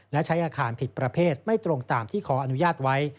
และใช้อาคารผิดประเภทไม่ตรงตามที่ขออนุญาตไว้